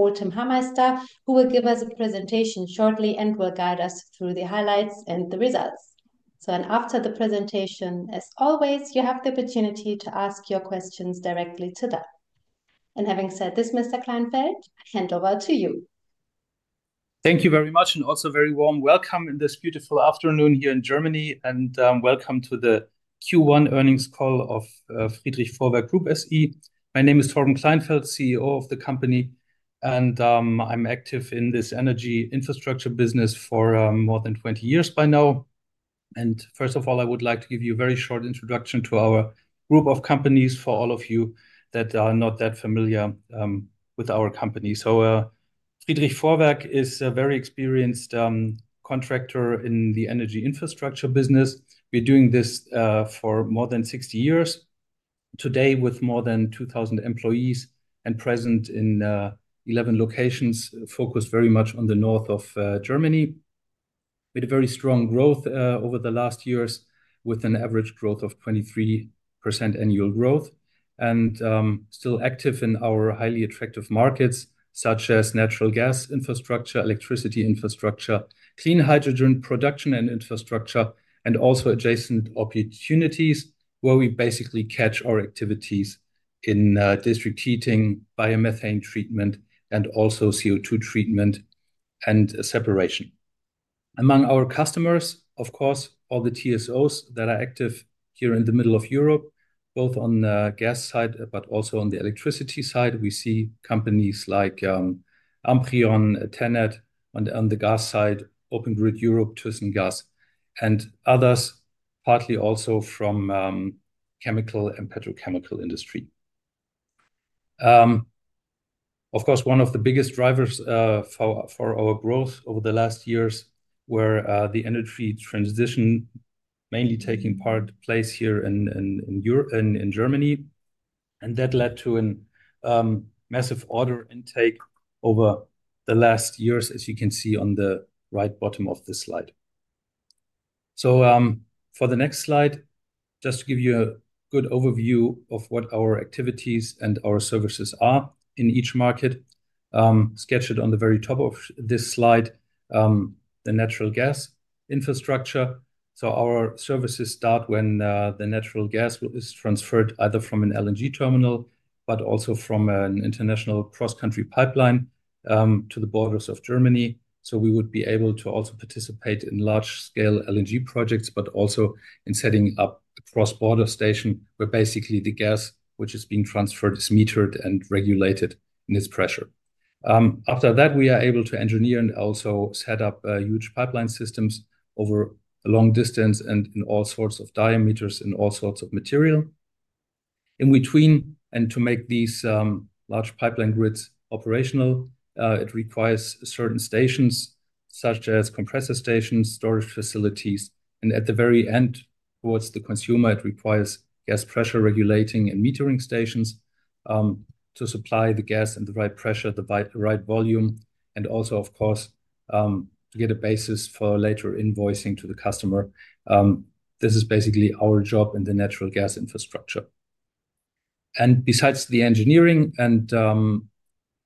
Of Tim Hameister, who will give us a presentation shortly and will guide us through the highlights and the results. After the presentation, as always, you have the opportunity to ask your questions directly to them. Having said this, Mr. Kleinfeldt, I hand over to you. Thank you very much, and also a very warm welcome in this beautiful afternoon here in Germany, and welcome to the Q1 earnings call of Friedrich Vorwerk Group SE. My name is Torben Kleinfeldt, CEO of the company, and I'm active in this energy infrastructure business for more than 20 years by now. First of all, I would like to give you a very short introduction to our group of companies for all of you that are not that familiar with our company. Friedrich Vorwerk is a very experienced contractor in the energy infrastructure business. We're doing this for more than 60 years, today with more than 2,000 employees and present in 11 locations focused very much on the north of Germany. We had a very strong growth over the last years, with an average growth of 23% annual growth, and still active in our highly attractive markets such as natural gas infrastructure, electricity infrastructure, clean hydrogen production and infrastructure, and also adjacent opportunities where we basically catch our activities in district heating, biomethane treatment, and also CO2 treatment and separation. Among our customers, of course, all the TSOs that are active here in the middle of Europe, both on the gas side but also on the electricity side, we see companies like Amprion, TenneT, and on the gas side, Open Grid Europe, ThyssenKrupp, and others, partly also from the chemical and petrochemical industry. Of course, one of the biggest drivers for our growth over the last years was the energy transition, mainly taking place here in Germany, and that led to a massive order intake over the last years, as you can see on the right bottom of the slide. For the next slide, just to give you a good overview of what our activities and our services are in each market, sketched on the very top of this slide, the natural gas infrastructure. Our services start when the natural gas is transferred either from an LNG terminal but also from an international cross-country pipeline to the borders of Germany. We would be able to also participate in large-scale LNG projects, but also in setting up a cross-border station where basically the gas which is being transferred is metered and regulated in its pressure. After that, we are able to engineer and also set up huge pipeline systems over a long distance and in all sorts of diameters and all sorts of material. In between, and to make these large pipeline grids operational, it requires certain stations such as compressor stations, storage facilities, and at the very end, towards the consumer, it requires gas pressure regulating and metering stations to supply the gas and the right pressure, the right volume, and also, of course, to get a basis for later invoicing to the customer. This is basically our job in the natural gas infrastructure. Besides the engineering and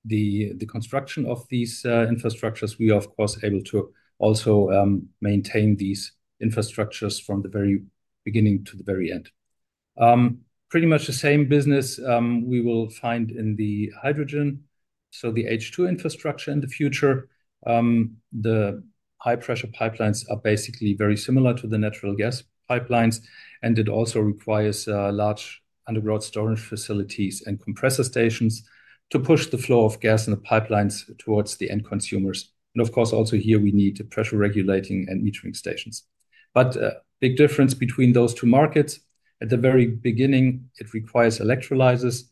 the construction of these infrastructures, we are, of course, able to also maintain these infrastructures from the very beginning to the very end. Pretty much the same business we will find in the hydrogen, so the H2 infrastructure in the future. The high-pressure pipelines are basically very similar to the natural gas pipelines, and it also requires large underground storage facilities and compressor stations to push the flow of gas in the pipelines towards the end consumers. Of course, also here we need the pressure regulating and metering stations. A big difference between those two markets, at the very beginning, it requires electrolyzers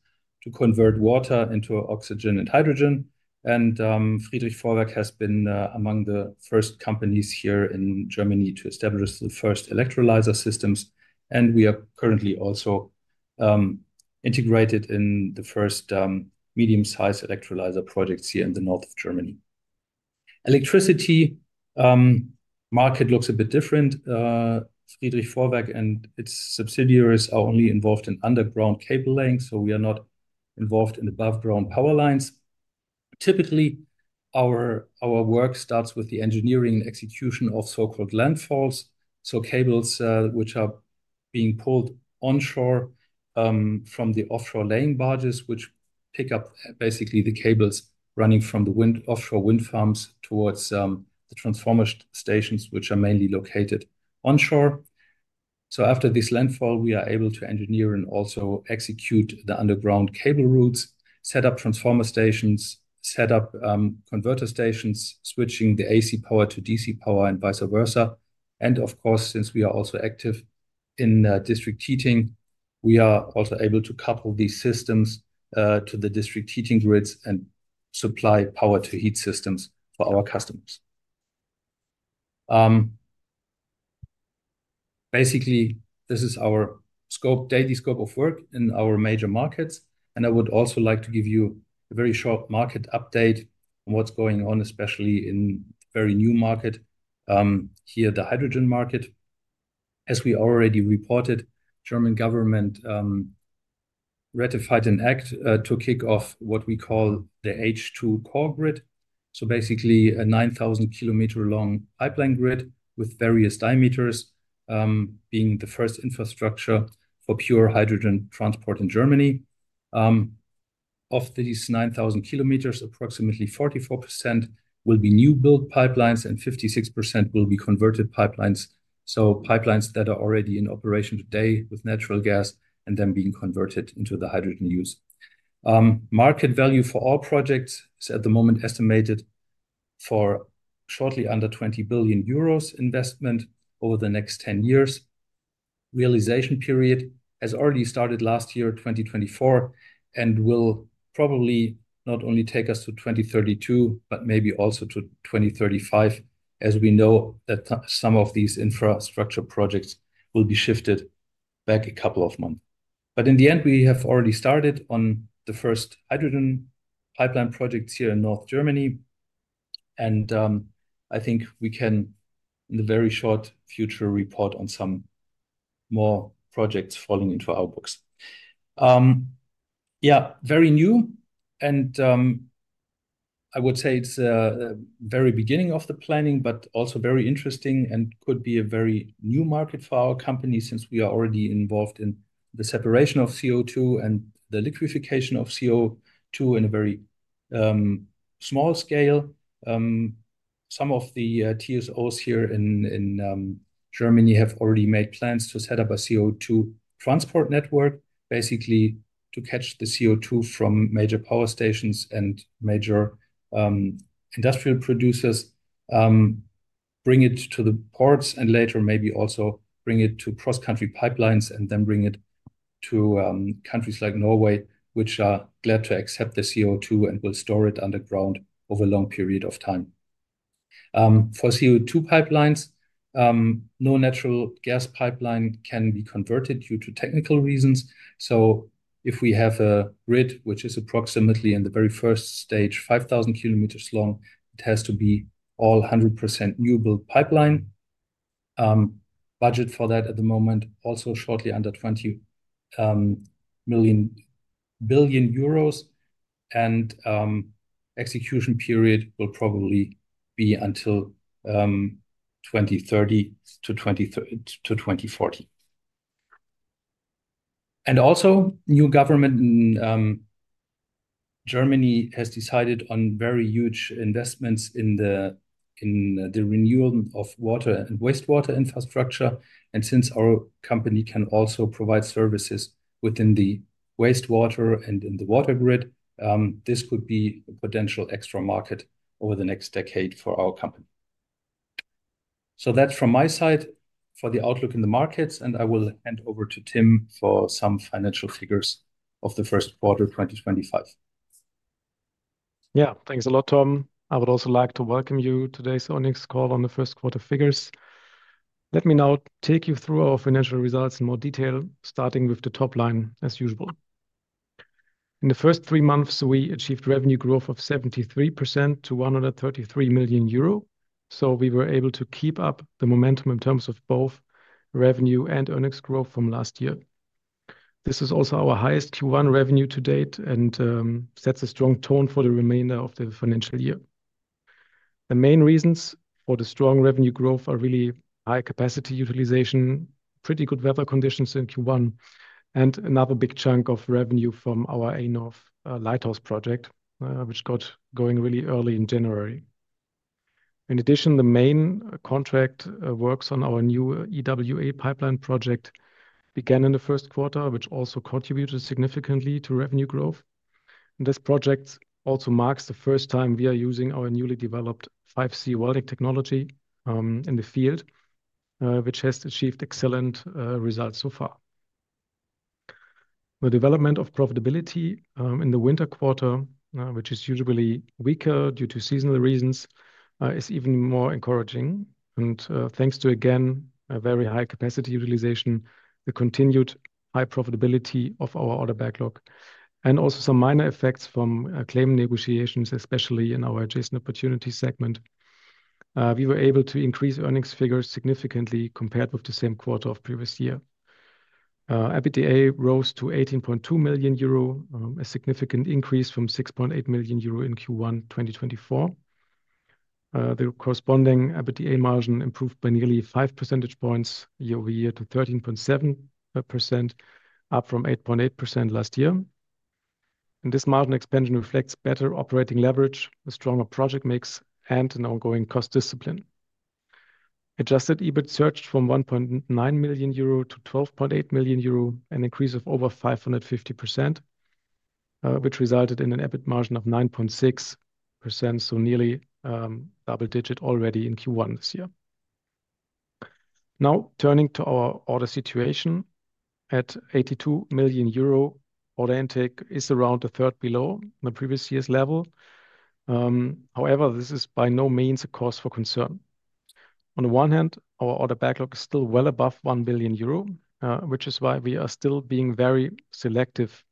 to convert water into oxygen and hydrogen, and Friedrich Vorwerk has been among the first companies here in Germany to establish the first electrolyzer systems, and we are currently also integrated in the first medium-sized electrolyzer projects here in the north of Germany. Electricity market looks a bit different. Friedrich Vorwerk and its subsidiaries are only involved in underground cable laying, so we are not involved in above-ground power lines. Typically, our work starts with the engineering and execution of so-called landfalls, so cables which are being pulled onshore from the offshore laying barges, which pick up basically the cables running from the offshore wind farms towards the transformer stations, which are mainly located onshore. After this landfall, we are able to engineer and also execute the underground cable routes, set up transformer stations, set up converter stations, switching the AC power to DC power and vice versa. Of course, since we are also active in district heating, we are also able to couple these systems to the district heating grids and supply power-to-heat systems for our customers. Basically, this is our daily scope of work in our major markets, and I would also like to give you a very short market update on what's going on, especially in a very new market here, the hydrogen market. As we already reported, the German government ratified an act to kick off what we call the H2 core grid, so basically a 9,000 km long pipeline grid with various diameters being the first infrastructure for pure hydrogen transport in Germany. Of these 9,000 km, approximately 44% will be new-built pipelines and 56% will be converted pipelines, so pipelines that are already in operation today with natural gas and then being converted into the hydrogen use. Market value for our project is at the moment estimated for shortly under 20 billion euros investment over the next 10 years. Realization period has already started last year, 2024, and will probably not only take us to 2032 but maybe also to 2035, as we know that some of these infrastructure projects will be shifted back a couple of months. In the end, we have already started on the first hydrogen pipeline projects here in north Germany, and I think we can, in the very short future, report on some more projects falling into our books. Yeah, very new, and I would say it's the very beginning of the planning, but also very interesting and could be a very new market for our company since we are already involved in the separation of CO2 and the liquefaction of CO2 in a very small scale. Some of the TSOs here in Germany have already made plans to set up a CO2 transport network, basically to catch the CO2 from major power stations and major industrial producers, bring it to the ports, and later maybe also bring it to cross-country pipelines and then bring it to countries like Norway, which are glad to accept the CO2 and will store it underground over a long period of time. For CO2 pipelines, no natural gas pipeline can be converted due to technical reasons, so if we have a grid which is approximately in the very first stage, 5,000 km long, it has to be all 100% new-built pipeline. Budget for that at the moment also shortly under 20 billion euros, and execution period will probably be until 2030 to 2040. The new government in Germany has decided on very huge investments in the renewal of water and wastewater infrastructure, and since our company can also provide services within the wastewater and in the water grid, this could be a potential extra market over the next decade for our company. That is from my side for the outlook in the markets, and I will hand over to Tim for some financial figures of the first quarter 2025. Yeah, thanks a lot, Torben. I would also like to welcome you to today's earnings call on the first quarter figures. Let me now take you through our financial results in more detail, starting with the top line as usual. In the first three months, we achieved revenue growth of 73% to 133 million euro, so we were able to keep up the momentum in terms of both revenue and earnings growth from last year. This is also our highest Q1 revenue to date and sets a strong tone for the remainder of the financial year. The main reasons for the strong revenue growth are really high capacity utilization, pretty good weather conditions in Q1, and another big chunk of revenue from our A-Nord lighthouse project, which got going really early in January. In addition, the main contract works on our new EWA pipeline project began in the first quarter, which also contributed significantly to revenue growth. This project also marks the first time we are using our newly developed 5C welding technology in the field, which has achieved excellent results so far. The development of profitability in the winter quarter, which is usually weaker due to seasonal reasons, is even more encouraging, and thanks to, again, very high capacity utilization, the continued high profitability of our order backlog, and also some minor effects from claim negotiations, especially in our adjacent opportunity segment, we were able to increase earnings figures significantly compared with the same quarter of previous year. EBITDA rose to 18.2 million euro, a significant increase from 6.8 million euro in Q1 2024. The corresponding EBITDA margin improved by nearly 5 percentage points year over year to 13.7%, up from 8.8% last year. This margin expansion reflects better operating leverage, a stronger project mix, and an ongoing cost discipline. Adjusted EBIT surged from 1.9 million euro to 12.8 million euro, an increase of over 550%, which resulted in an EBIT margin of 9.6%, so nearly double-digit already in Q1 this year. Now, turning to our order situation, at 82 million euro, order intake is around a third below the previous year's level. However, this is by no means a cause for concern. On the one hand, our order backlog is still well above 1 billion euro, which is why we are still being very selective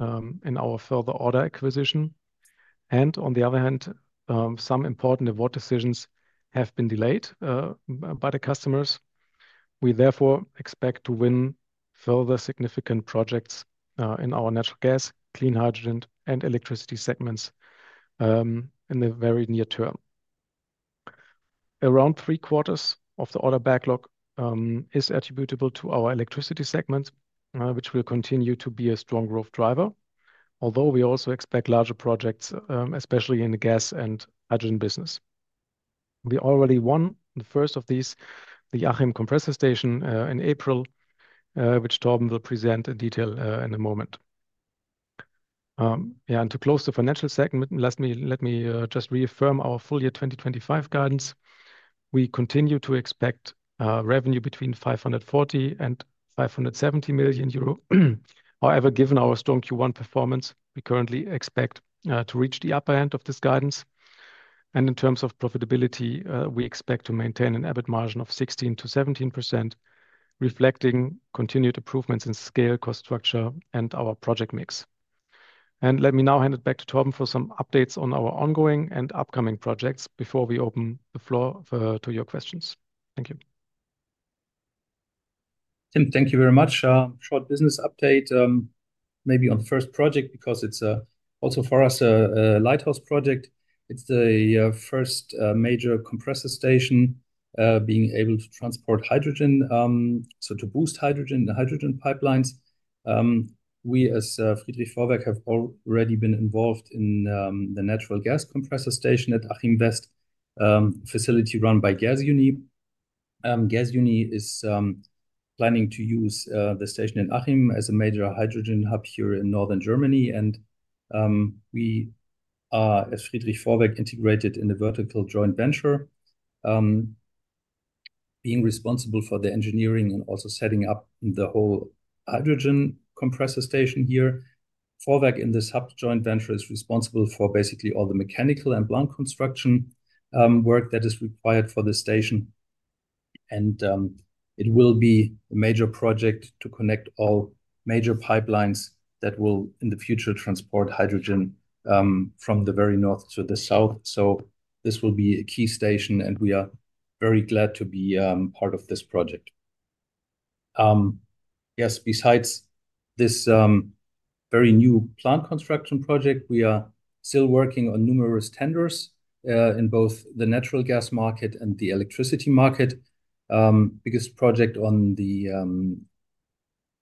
in our further order acquisition. On the other hand, some important award decisions have been delayed by the customers. We therefore expect to win further significant projects in our natural gas, clean hydrogen, and electricity segments in the very near term. Around three quarters of the order backlog is attributable to our electricity segment, which will continue to be a strong growth driver, although we also expect larger projects, especially in the gas and hydrogen business. We already won the first of these, the Achim compressor station, in April, which Torben will present in detail in a moment. Yeah, to close the financial segment, let me just reaffirm our full year 2025 guidance. We continue to expect revenue between 540 million and 570 million euro. However, given our strong Q1 performance, we currently expect to reach the upper end of this guidance. In terms of profitability, we expect to maintain an EBIT margin of 16%-17%, reflecting continued improvements in scale, cost structure, and our project mix. Let me now hand it back to Torben for some updates on our ongoing and upcoming projects before we open the floor to your questions. Thank you. Tim, thank you very much. Short business update, maybe on the first project, because it's also for us a lighthouse project. It's the first major compressor station being able to transport hydrogen, so to boost hydrogen in the hydrogen pipelines. We, as Friedrich Vorwerk, have already been involved in the natural gas compressor station at Achim-West, facility run by Gasunie. Gasunie is planning to use the station in Achim as a major hydrogen hub here in northern Germany, and we are, as Friedrich Vorwerk, integrated in a vertical joint venture, being responsible for the engineering and also setting up the whole hydrogen compressor station here. Vorwerk, in this sub-joint venture, is responsible for basically all the mechanical and blunt construction work that is required for the station, and it will be a major project to connect all major pipelines that will, in the future, transport hydrogen from the very north to the south. This will be a key station, and we are very glad to be part of this project. Yes, besides this very new plant construction project, we are still working on numerous tenders in both the natural gas market and the electricity market. Biggest project on the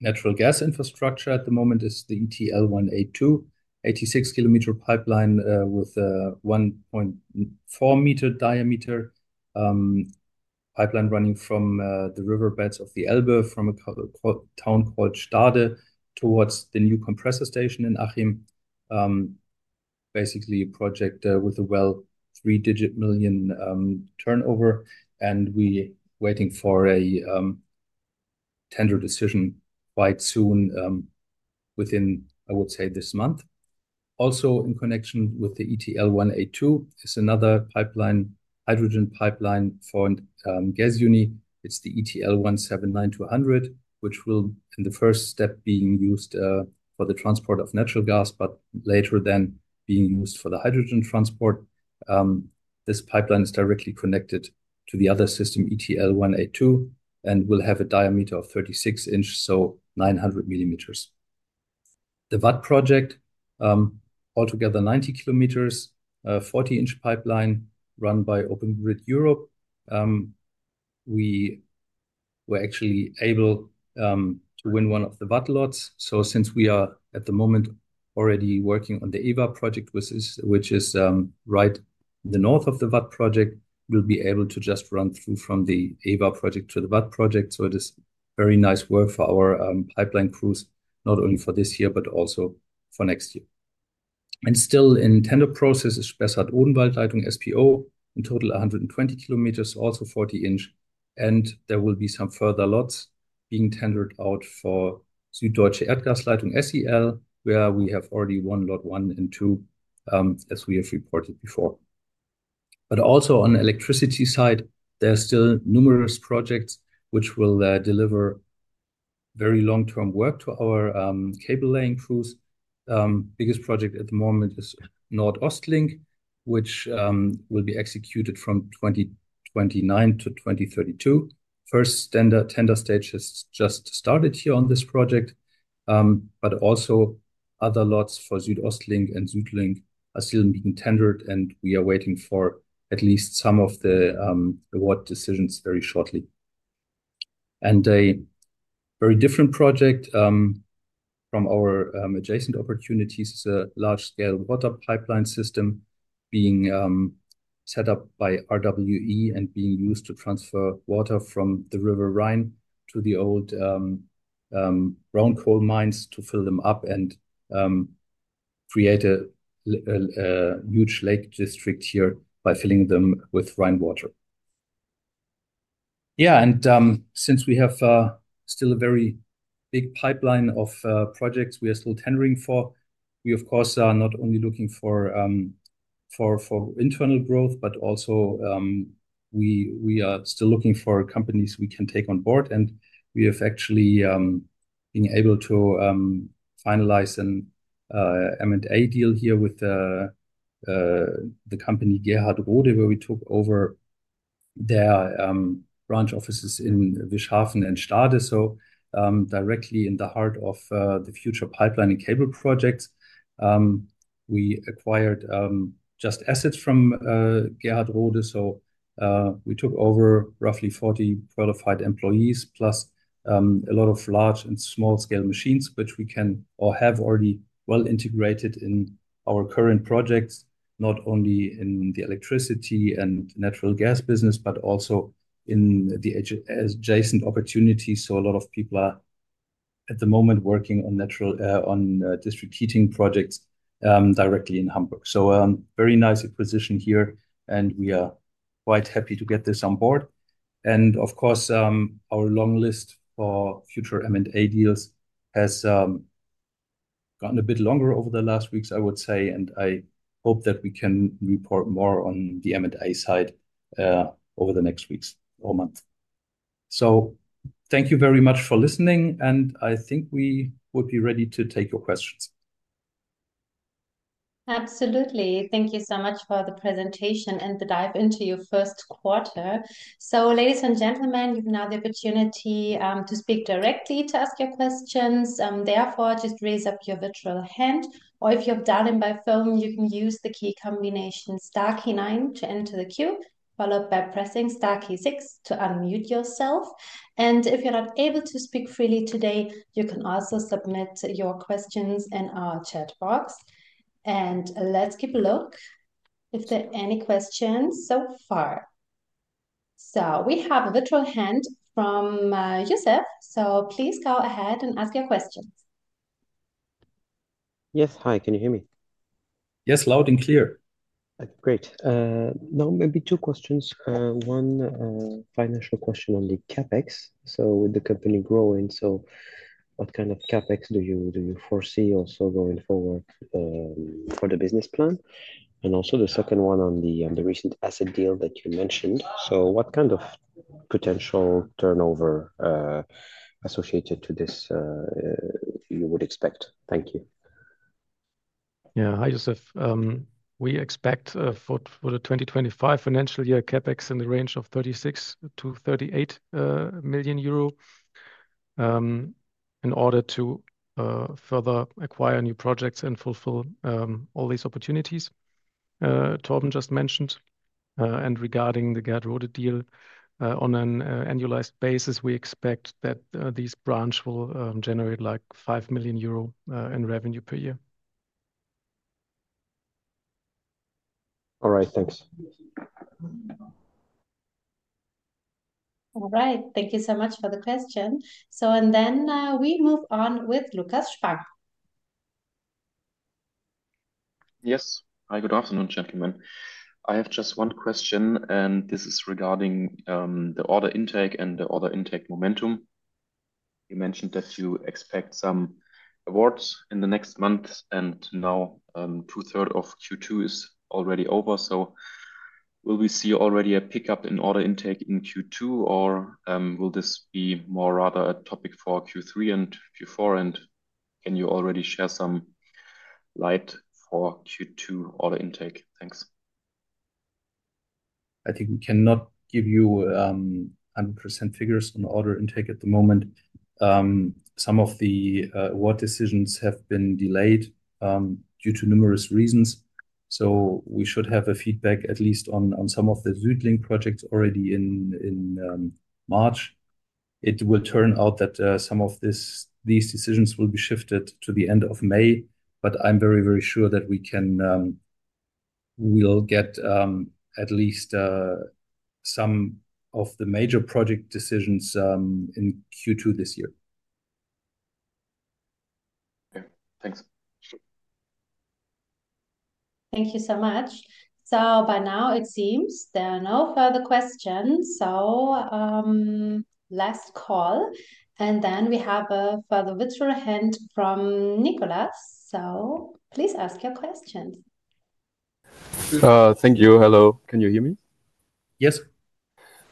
natural gas infrastructure at the moment is the ETL 182, 86 km pipeline with a 1.4 m diameter pipeline running from the riverbeds of the Elbe from a town called Stade towards the new compressor station in Achim. Basically, a project with a well three-digit million turnover, and we are waiting for a tender decision quite soon, within, I would say, this month. Also, in connection with the ETL 182, is another hydrogen pipeline for Gasunie. It's the ETL 179-200, which will, in the first step, be used for the transport of natural gas, but later then be used for the hydrogen transport. This pipeline is directly connected to the other system, ETL 182, and will have a diameter of 36 inches, so 900 millimeters. The VAT project, altogether 90 kilometers, 40-inch pipeline run by Open Grid Europe. We were actually able to win one of the VAT lots, so since we are at the moment already working on the EVA project, which is right in the north of the VAT project, we will be able to just run through from the EVA project to the VAT project, so it is very nice work for our pipeline crews, not only for this year but also for next year. Still in tender process is Spessart-Odenwald-Leitung SPO, in total 120 km, also 40 inch, and there will be some further lots being tendered out for Süddeutsche Erdgasleitung SEL, where we have already won lot one and two, as we have reported before. Also on the electricity side, there are still numerous projects which will deliver very long-term work to our cable-laying crews. The biggest project at the moment is NordOstLink, which will be executed from 2029 to 2032. The first tender stage has just started here on this project, but also other lots for SüdostLink and SüdLink are still being tendered, and we are waiting for at least some of the award decisions very shortly. A very different project from our adjacent opportunities is a large-scale water pipeline system being set up by RWE and being used to transfer water from the river Rhine to the old brown coal mines to fill them up and create a huge lake district here by filling them with Rhine water. Yeah, and since we have still a very big pipeline of projects we are still tendering for, we, of course, are not only looking for internal growth, but also we are still looking for companies we can take on board, and we have actually been able to finalize an M&A deal here with the company Gerhard Rode, where we took over their branch offices in Wischhafen and Stade. Directly in the heart of the future pipeline and cable projects, we acquired just assets from Gerhard Rode, so we took over roughly 40 qualified employees, plus a lot of large and small-scale machines, which we can or have already well integrated in our current projects, not only in the electricity and natural gas business, but also in the adjacent opportunities. A lot of people are at the moment working on district heating projects directly in Hamburg. A very nice position here, and we are quite happy to get this on board. Of course, our long list for future M&A deals has gotten a bit longer over the last weeks, I would say, and I hope that we can report more on the M&A side over the next weeks or months. Thank you very much for listening, and I think we would be ready to take your questions. Absolutely. Thank you so much for the presentation and the dive into your first quarter. Ladies and gentlemen, you now have the opportunity to speak directly, to ask your questions. Therefore, just raise up your virtual hand, or if you have done it by phone, you can use the key combination star key nine to enter the queue, followed by pressing star key six to unmute yourself. If you are not able to speak freely today, you can also submit your questions in our chat box. Let's give a look if there are any questions so far. We have a virtual hand from Youssef, so please go ahead and ask your questions. Yes, hi, can you hear me? Yes, loud and clear. Great. Now, maybe two questions. One financial question on the CapEx. With the company growing, what kind of CapEx do you foresee also going forward for the business plan? Also, the second one on the recent asset deal that you mentioned. What kind of potential turnover associated to this would you expect? Thank you. Yeah, hi, Youssef. We expect for the 2025 financial year, CapEx in the range of 36 million-38 million euro in order to further acquire new projects and fulfill all these opportunities Torben just mentioned. Regarding the Gerhard Rode deal, on an annualized basis, we expect that this branch will generate like 5 million euro in revenue per year. All right, thanks. All right, thank you so much for the question. Then we move on with Lukas Schwank. Yes, hi, good afternoon, gentlemen. I have just one question, and this is regarding the order intake and the order intake momentum. You mentioned that you expect some awards in the next month, and now two-thirds of Q2 is already over. Will we see already a pickup in order intake in Q2, or will this be more rather a topic for Q3 and Q4? Can you already share some light for Q2 order intake? Thanks. I think we cannot give you 100% figures on order intake at the moment. Some of the award decisions have been delayed due to numerous reasons. We should have feedback at least on some of the SüdLink projects already in March. It will turn out that some of these decisions will be shifted to the end of May, but I'm very, very sure that we'll get at least some of the major project decisions in Q2 this year. Okay, thanks. Thank you so much. By now, it seems there are no further questions. Last call, and then we have a further virtual hand from Nicholas. Please ask your questions. Thank you. Hello, can you hear me? Yes.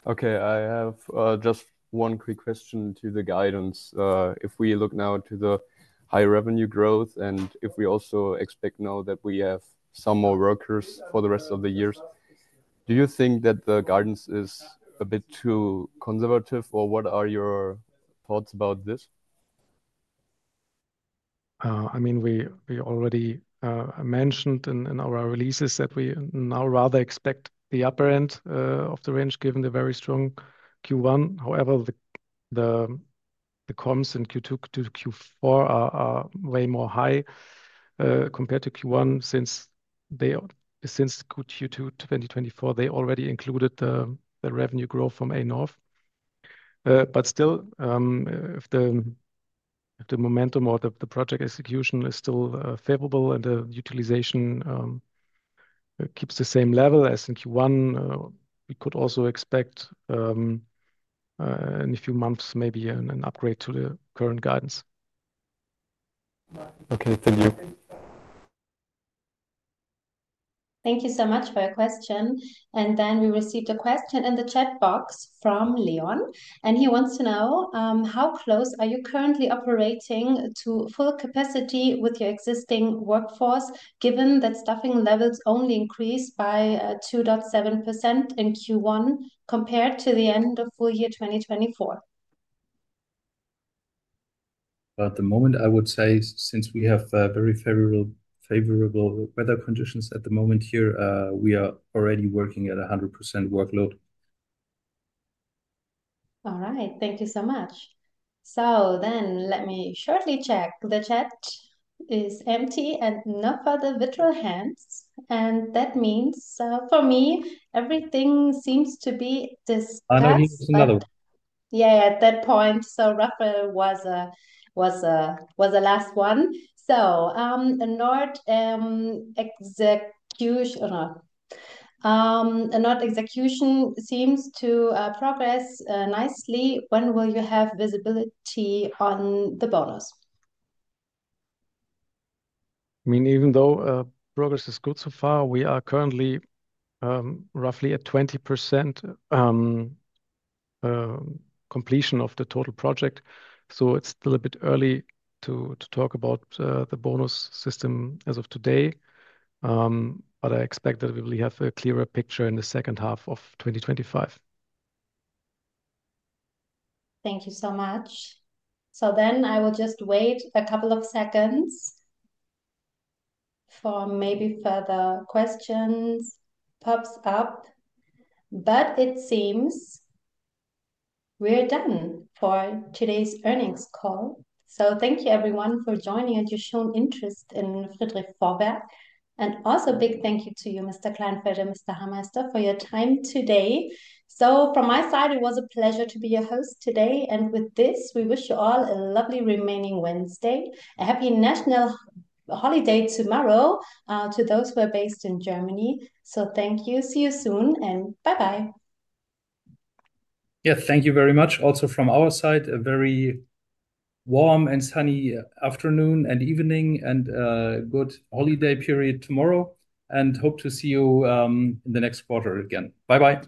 Okay, I have just one quick question to the guidance. If we look now to the high revenue growth and if we also expect now that we have some more workers for the rest of the years, do you think that the guidance is a bit too conservative, or what are your thoughts about this? I mean, we already mentioned in our releases that we now rather expect the upper end of the range given the very strong Q1. However, the comms in Q2 to Q4 are way more high compared to Q1 since Q2 2024. They already included the revenue growth from A-Nord. But still, if the momentum or the project execution is still favorable and the utilization keeps the same level as in Q1, we could also expect in a few months maybe an upgrade to the current guidance. Okay, thank you. Thank you so much for your question. We received a question in the chat box from Leon, and he wants to know, how close are you currently operating to full capacity with your existing workforce, given that staffing levels only increased by 2.7% in Q1 compared to the end of full year 2024? At the moment, I would say since we have very favorable weather conditions at the moment here, we are already working at 100% workload. All right, thank you so much. Let me shortly check. The chat is empty and no further virtual hands. That means for me, everything seems to be discussed. I don't need another. Yeah, at that point, so Raphael was the last one. So A-Nord execution seems to progress nicely. When will you have visibility on the bonus? I mean, even though progress is good so far, we are currently roughly at 20% completion of the total project. It is still a bit early to talk about the bonus system as of today, but I expect that we will have a clearer picture in the second half of 2025. Thank you so much. I will just wait a couple of seconds for maybe further questions pops up, but it seems we're done for today's earnings call. Thank you, everyone, for joining and you showed interest in Friedrich Vorwerk. Also a big thank you to you, Mr. Kleinfeldt and Mr. Hameister, for your time today. From my side, it was a pleasure to be your host today. With this, we wish you all a lovely remaining Wednesday, a happy national holiday tomorrow to those who are based in Germany. Thank you. See you soon and bye-bye. Yeah, thank you very much. Also from our side, a very warm and sunny afternoon and evening and a good holiday period tomorrow. Hope to see you in the next quarter again. Bye-bye.